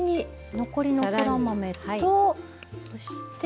残りのそら豆とそして。